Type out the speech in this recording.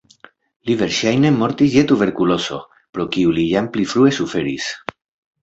Li verŝajne mortis je tuberkulozo, pro kiu li jam pli frue suferis.